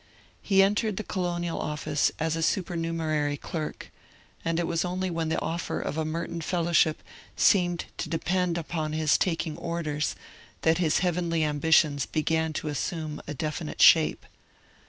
He entered the Colonial Office as a supernumerary clerk, and it was only when the offer of a Merton Fellowship seemed to depend upon his taking orders that his heavenly ambitions began to assume a definite shape.